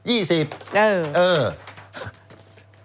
อืม